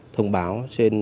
thông báo trên